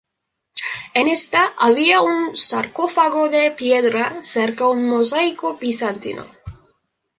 En esta había un sarcófago de piedra, cerca un mosaico bizantino.